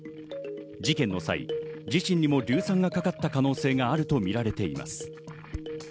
事件の際、自身にも硫酸がかかった可能性があるとみられています。